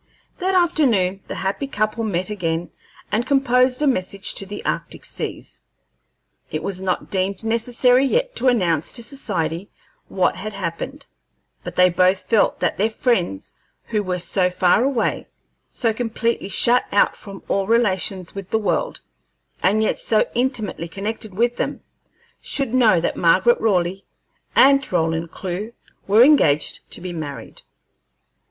That afternoon the happy couple met again and composed a message to the arctic seas. It was not deemed necessary yet to announce to society what had happened, but they both felt that their friends who were so far away, so completely shut out from all relations with the world, and yet so intimately connected with them, should know that Margaret Raleigh and Roland Clewe were engaged to be married.